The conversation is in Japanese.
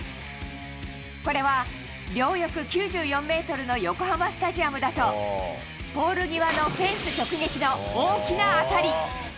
これは両翼９４メートルの横浜スタジアムだと、ポール際のフェンス直撃の大きな当たり。